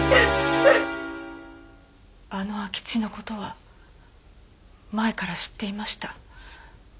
あの空き地の事は前から知っていました。